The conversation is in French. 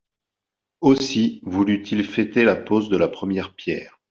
Aussi voulut-il fêter la pose de la première pierre.